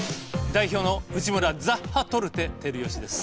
代表の内村・ザッハトルテ・光良です。